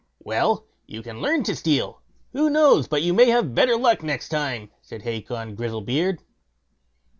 "Well, you can learn to steal; who knows but you may have better luck next time", said Hacon Grizzlebeard.